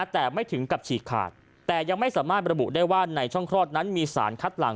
แต่ไม่ถึงกับฉีกขาดแต่ยังไม่สามารถระบุได้ว่าในช่องคลอดนั้นมีสารคัดหลัง